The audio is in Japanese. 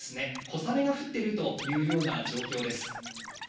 小雨が降っているというような状況です。